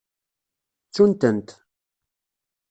Ttun-tent.